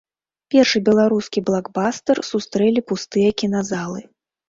Першы беларускі блакбастар сустрэлі пустыя кіназалы.